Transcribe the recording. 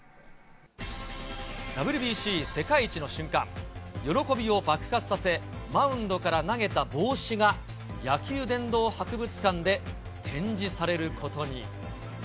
ＷＢＣ世界一の瞬間、喜びを爆発させ、マウンドから投げた帽子が野球殿堂博物館で展示されることに。